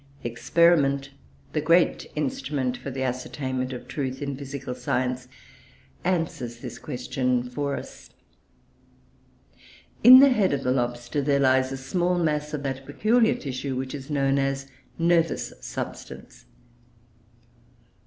Experiment, the great instrument for the ascertainment of truth in physical science, answers this question for us. In the head of the lobster there lies a small mass of that peculiar tissue which is known as nervous substance.